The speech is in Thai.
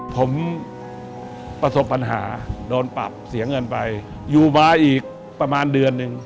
ผมประสบปัญหาโดนปรับเสียเงินไปอยู่มาอีกประมาณเดือนหนึ่ง